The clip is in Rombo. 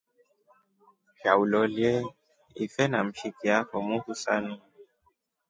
Sha ulolie ife na mshiki afo muhusani.